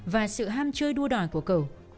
và sự ham chơi đua đòi của cầu